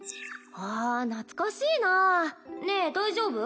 あ懐かしいなねえ大丈夫？